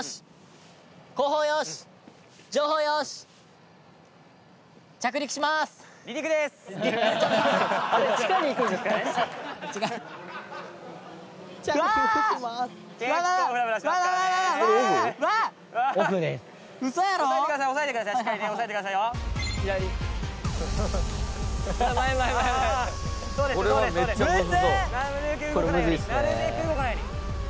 なるべく動かないように。